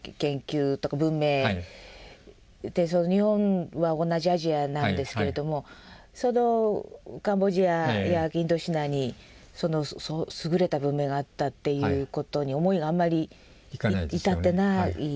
日本は同じアジアなんですけれどもそのカンボジアやインドシナに優れた文明があったっていうことに思いがあんまり至ってない。